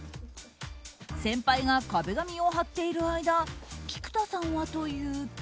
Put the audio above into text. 先輩が壁紙を貼っている間菊田さんはというと。